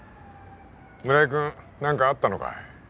村井君何かあったのか？